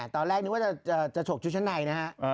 ตอนแรกนึกว่าจะฉกชุดชั้นในนะฮะ